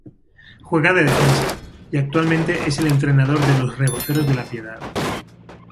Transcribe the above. Juega de Defensa y actualmente es el entrenador de los Reboceros de La Piedad.